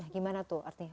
gimana tuh artinya